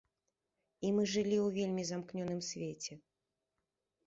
І мы жылі ў вельмі замкнёным свеце.